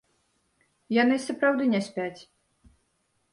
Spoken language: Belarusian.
Яны сапраўды не спяць.